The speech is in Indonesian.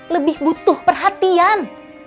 lebih butuh perhatian